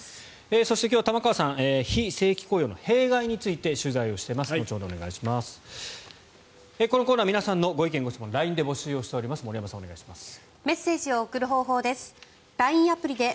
そして今日は玉川さん非正規雇用の弊害について取材をしてます。